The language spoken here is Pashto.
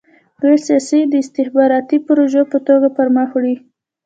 دوی سیاست د استخباراتي پروژې په توګه پرمخ وړي.